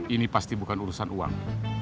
ini pasti bukan urusan uang